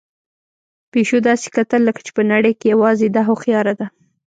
پيشو داسې کتل لکه چې په نړۍ کې یوازې ده هوښیار ده.